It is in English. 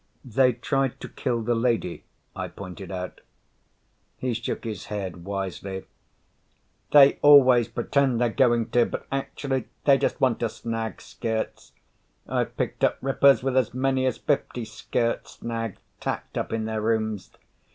"They tried to kill the lady," I pointed out. He shook his head wisely. "They always pretend they're going to, but actually they just want to snag skirts. I've picked up rippers with as many as fifty skirt snags tacked up in their rooms.